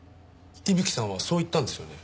伊吹さんはそう言ったんですよね？